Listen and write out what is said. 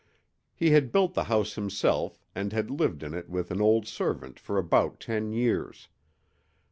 He had built the house himself and had lived in it with an old servant for about ten years.